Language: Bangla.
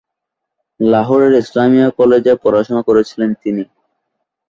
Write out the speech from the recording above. লাহোরের ইসলামিয়া কলেজে পড়াশুনো করেছিলেন তিনি।